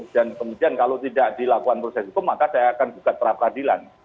dan kemudian kalau tidak dilakukan proses itu maka saya akan buka terhadap adilan